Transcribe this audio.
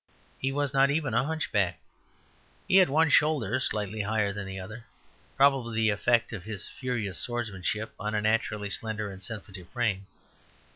He was not even a hunchback; he had one shoulder slightly higher than the other, probably the effect of his furious swordsmanship on a naturally slender and sensitive frame.